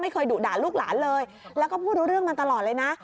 เคยดุด่าลูกหลานเลยแล้วก็พูดรู้เรื่องมาตลอดเลยนะ